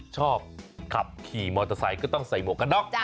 ชอบขับขี่มอเตอร์ไซค์ก็ต้องใส่หมวกกันน็อก